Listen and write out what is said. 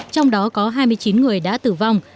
trong đó có hai mươi chín người đã tử vong